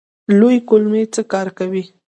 لویې کولمې څه کار کوي؟